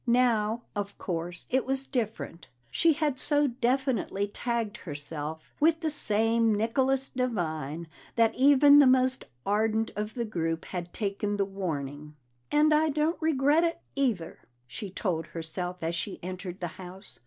Now, of course, it was different; she had so definitely tagged herself with the same Nicholas Devine that even the most ardent of the group had taken the warning. "And I don't regret it either!" she told herself as she entered the house.